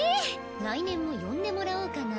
来年も呼んでもらおうかな。